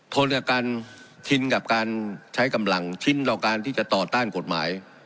ทนกับการชินกับการใช้กำลังชินต่อการที่จะต่อต้านกฎหมาย